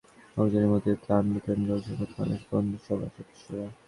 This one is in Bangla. কুড়িগ্রামের চরাঞ্চলে বন্যাদুর্গত লোকজনের মধ্যে ত্রাণ বিতরণ করেছেন প্রথম আলোর বন্ধুসভার সদস্যরা।